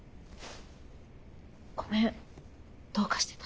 ごめんどうかしてた。